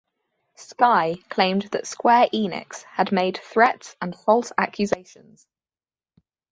Sky claimed that Square Enix had made "threats and false accusations".